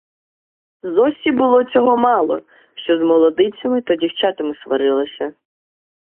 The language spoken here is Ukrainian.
Зосі було цього мало, що з молодицями та дівчатами сварилася.